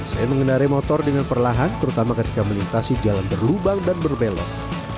saya mengendari motor dengan perlahan terutama ketika melintasi jalan berlubang dan berbelok